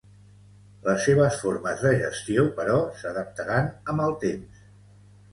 Les seves formes de gestió, però s'adaptaren amb el temps.